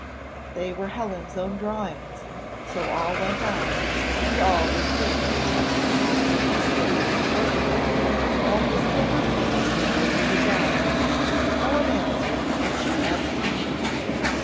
They were Helen's own drawings, so all went on, and all was safe even when Cecilia was spoken of; while the silver paper went over the drawings, Helen answered that she had seen her.